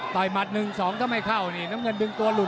ต่อยหมัดนึงสองกันไปเข้าน้ำเงินดึงตัวหลุด